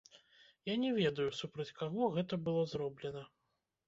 Я не ведаю, супраць каго гэта было зроблена.